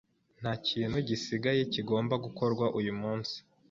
Nta kintu gisigaye kigomba gukorwa uyu munsi.